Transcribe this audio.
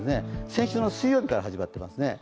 先週の水曜日から始まってますね。